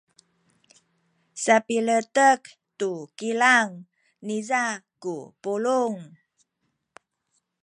sapiletek tu kilang niza ku pulung.